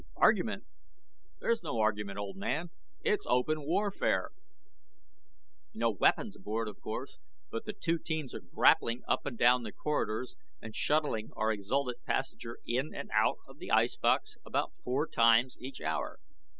"Argument? There's no argument, old man it's open warfare. No weapons aboard, of course, but the two teams are grappling up and down the corridors and shuttling our exhalted passenger in and out of the ice box about four times each hour.